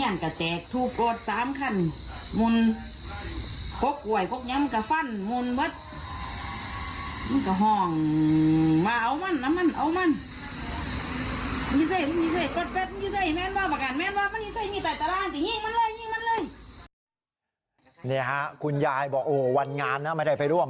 เนี่ยครับคุณยายบอกวันงานไม่ได้ไปร่วม